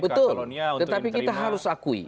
betul tetapi kita harus akui